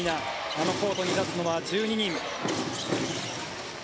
あのコートに立つのは１２人。